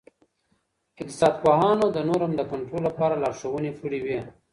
اقتصاد پوهانو د نورم د کنټرول لپاره لارښووني کړي وې.